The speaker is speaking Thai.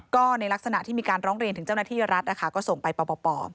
ก็ในลักษณะที่มีการร้องเรียนถึงเจ้าหน้าที่รัฐนะคะก็ส่งไปปป